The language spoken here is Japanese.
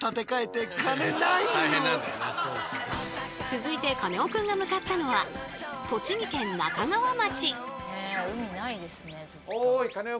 続いてカネオくんが向かったのは栃木県那珂川町。